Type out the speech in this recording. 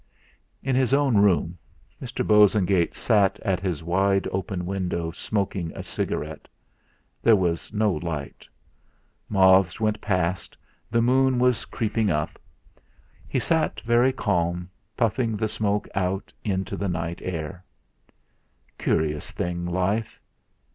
In his own room Mr. Bosengate sat at his wide open window, smoking a cigarette; there was no light. Moths went past, the moon was creeping up. He sat very calm, puffing the smoke out in to the night air. Curious thing life!